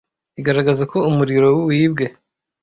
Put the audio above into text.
igaragaza ko umuriro wibwe